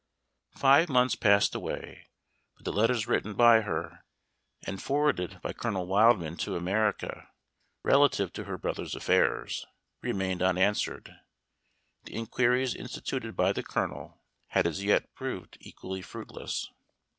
Five months passed away, but the letters written by her, and forwarded by Colonel Wildman to America relative to her brother's affairs, remained unanswered; the inquiries instituted by the Colonel had as yet proved equally fruitless.